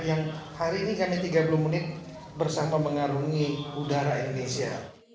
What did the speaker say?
yang hari ini kami tiga puluh menit bersama mengarungi udara indonesia